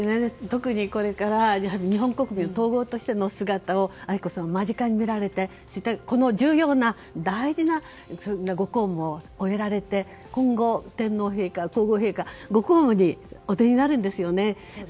特にこれから日本国民の統合としての姿を愛子さまも間近で見られて重要な大事なご公務を終えられて、今後天皇陛下、皇后陛下ご公務にお出になるんですよね。